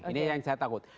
ini yang saya takut